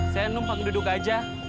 saya numpang duduk aja